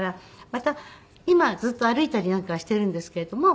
また今ずっと歩いたりなんかはしているんですけれども。